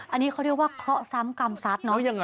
อันนี้เขาเรียกว่าเคราะสร้ำกรรมซัต